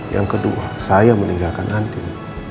yang kedua saya meninggalkan andi